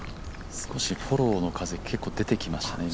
少しフォローの風、出てきましたね。